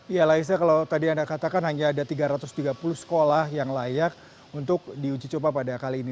ya laisa kalau tadi anda katakan hanya ada tiga ratus tiga puluh sekolah yang layak untuk diuji coba pada kali ini